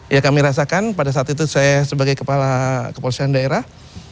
ya kami rasakan pada saat itu saya sebagai kepala kepolisian daerah